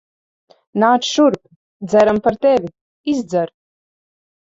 Nāc šurp. Dzeram par tevi. Izdzer.